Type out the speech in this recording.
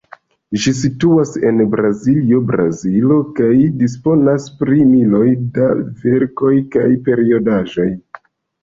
Ĝi situas en Braziljo, Brazilo, kaj disponas pri miloj da verkoj kaj periodaĵoj.